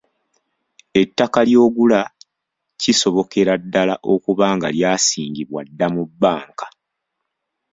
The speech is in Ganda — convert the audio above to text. Ettaka ly'ogula kisobokera ddala okuba nga lyasingibwa dda mu bbanka.